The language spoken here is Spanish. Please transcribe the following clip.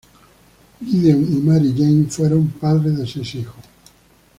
Gideon y Mary Jane fueron padres de seis hijos.